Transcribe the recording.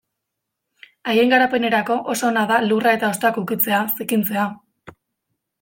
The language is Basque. Haien garapenerako oso ona da lurra eta hostoak ukitzea, zikintzea...